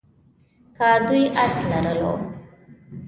که دوی آس لرلو.